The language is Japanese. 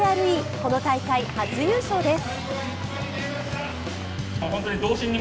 この大会、初優勝です。